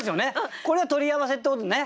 これは取り合わせってことね。